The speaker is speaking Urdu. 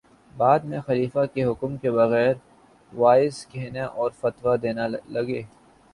بعد میں خلیفہ کے حکم کے بغیر وعظ کہنے اور فتویٰ دینے لگے